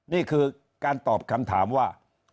นี่คือการตอบคำถามว่า